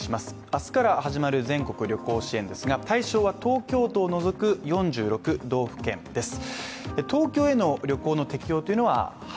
明日から始まる全国旅行支援ですが対象は東京都を除く４６道府県です。